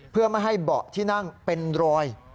เพื่อไม่ให้เบาะที่นั่งเป็นรอย